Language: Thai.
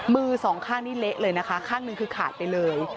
มือสองข้างนี่เละเลยนะคะข้างหนึ่งคือขาดไปเลย